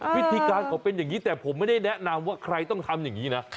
วิธีการเขาเป็นอย่างนี้แต่ผมไม่ได้แนะนำว่าใครต้องทำอย่างนี้นะ